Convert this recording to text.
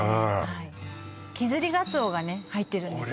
はい削りがつおがね入ってるんですよ